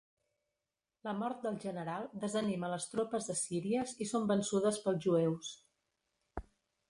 La mort del general desanima les tropes assíries i són vençudes pels jueus.